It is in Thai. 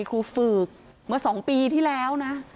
ครูฝึกเมื่อ๒ปีที่แล้วนะ